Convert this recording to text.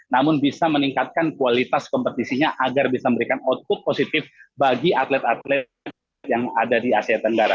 namun bisa meningkatkan kualitas kompetisinya agar bisa memberikan output positif bagi atlet atlet yang ada di asia tenggara